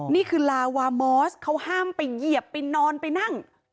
นี่คือลาวามอสเขาห้ามไปเหยียบไปนอนไปนั่ง